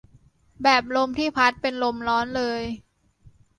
แบบลมที่พัดเป็นลมร้อนเลย